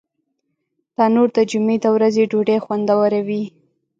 تنور د جمعې د ورځې ډوډۍ خوندوروي